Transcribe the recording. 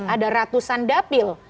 ada ratusan dapil